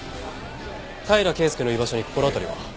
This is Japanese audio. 平良圭介の居場所に心当たりは？